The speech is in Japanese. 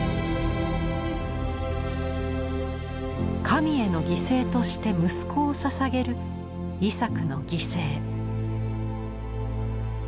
神への犠牲として息子を捧げる「イサクの犠牲」。